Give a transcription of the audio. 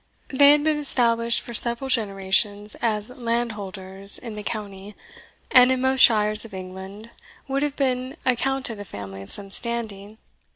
They had been established for several generations, as landholders in the county, and in most shires of England would have been accounted a family of some standing.